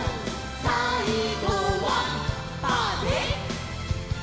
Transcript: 「さいごはパアで」